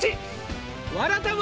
「わらたま」。